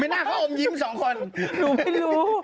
ไม่น่าเขาอมยิ้ม๒คนหนูไม่รู้